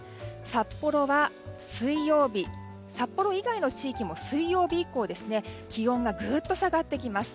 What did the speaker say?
札幌以外の地域も水曜日以降気温がぐっと下がってきます。